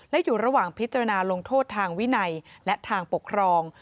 และอยู่ระหว่างพิจารณาลงโทษทางวินัยและทางปกครอง